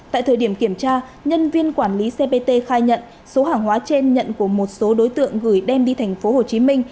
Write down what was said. tại thời điểm kiểm tra nhân viên quản lý cpt khai nhận số hàng hóa trên nhận của một số đối tượng gửi đem đi tp hcm